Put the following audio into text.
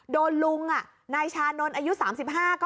โดนลุงนายชานนท์อายุ๓๕ปี